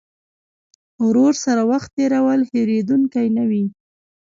ورور سره وخت تېرول هېرېدونکی نه وي.